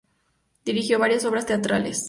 Dirigió varias obras teatrales.